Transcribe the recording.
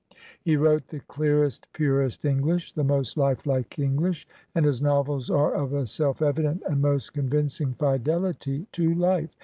He wrote the clearest, purest EngUsh, the most lifelike English; and his novels are of a self evident and most convincing fidelity to life.